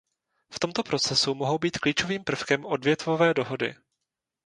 V tomto procesu mohou být klíčovým prvkem odvětvové dohody.